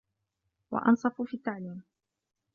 وَأَنْصَفُ فِي التَّعْلِيمِ